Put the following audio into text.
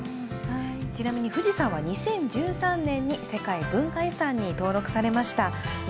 ちなみに富士山は２０１３年に世界文化遺産に登録されました。